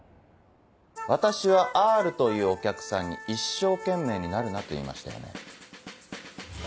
私はＲというお客さんに一生懸命になるなと言いましたよね。